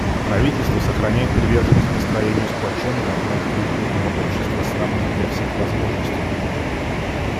Правительство сохраняет приверженность построению сплоченного многокультурного общества с равными для всех возможностями.